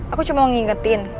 aku cuma mau ngingetin